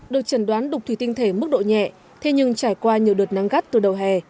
được chẩn đoán đục thủy tinh thể mức độ nhẹ thế nhưng trải qua nhiều đợt nắng gắt từ đầu hè